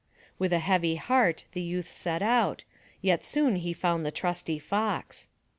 With a heavy heart the youth set out, yet soon he found the trusty Fox.